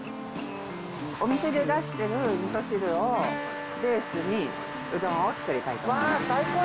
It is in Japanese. お店で出してるみそ汁をベースに、うどんを作りたいと思います。